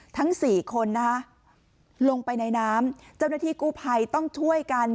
ทั้งสี่คนนะคะลงไปในน้ำเจ้าหน้าที่กู้ภัยต้องช่วยกัน